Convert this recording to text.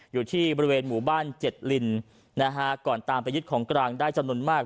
อยู่ที่บริเวณหมู่บ้านเจ็ดลินนะฮะก่อนตามไปยึดของกลางได้จำนวนมาก